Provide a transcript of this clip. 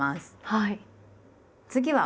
はい。